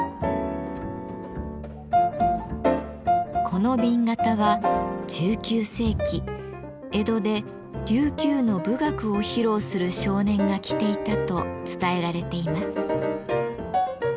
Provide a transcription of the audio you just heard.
この紅型は１９世紀江戸で琉球の舞楽を披露する少年が着ていたと伝えられています。